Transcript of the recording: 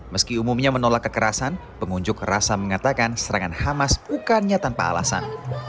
meski umumnya menolak kekerasan pengunjuk rasa mengatakan serangan hamas bukannya tanpa alasan